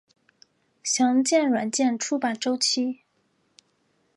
详见软件出版周期。